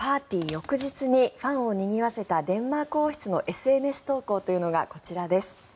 翌日にファンをにぎわせたデンマーク王室のＳＮＳ投稿というのがこちらです。